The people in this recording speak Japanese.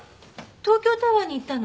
東京タワーに行ったの？